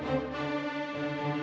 sindi tunggu dulu